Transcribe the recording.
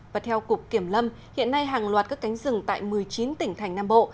và theo cục kiểm lâm hiện nay hàng loạt các cánh rừng tại một mươi chín tỉnh thành nam bộ